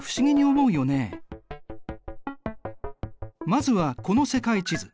まずはこの世界地図。